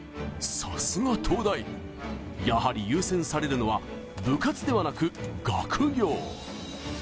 さすが東大、やはり優先されるのは部活ではなく学業。